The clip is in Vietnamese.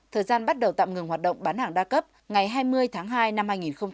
thời gian bắt đầu tạm ngừng hoạt động bán hàng đa cấp ngày hai mươi tháng hai năm hai nghìn hai mươi